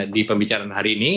di pembicaraan hari ini